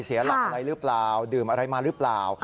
เสียหลักอะไรหรือเปล่าดื่มอะไรมาหรือเปล่า